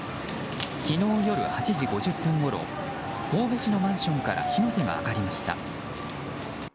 昨日夜８時５０分ごろ神戸市のマンションから火の手が上がりました。